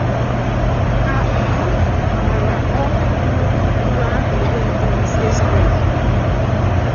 ka ọ rụchaara ọrụ iru ruru ahọ iri atọ na ise zuru èzù.